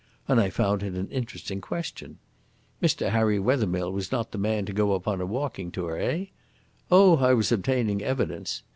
And I found it an interesting question. M. Harry Wethermill was not the man to go upon a walking tour, eh? Oh, I was obtaining evidence.